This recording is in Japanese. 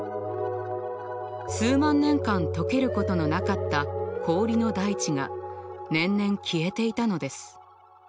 数万年間解けることのなかった氷の大地が年々消えていたのです。